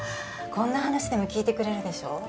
こんな話でも聞いてくれるでしょう